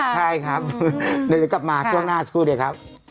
ใช่ครับจนเดี๋ยวกลับมาช่วงหน้าสกู่เดียครับครับ